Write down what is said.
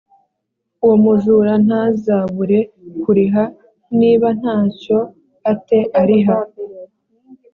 uwo mujura ntazabure kuriha niba nta cyo a te ariha